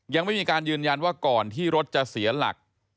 ยังไม่มีการยืนยันว่าก่อนที่รถจะเสียหลัก